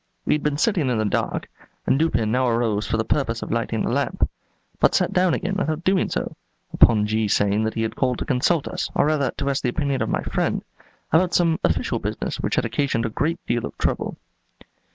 We had been sitting in the dark, and Dupin now arose for the purpose of lighting a lamp, but sat down again, without doing so, upon G 's saying that he had called to consult us, or rather to ask the opinion of my friend, about some official business which had occasioned a great deal of trouble.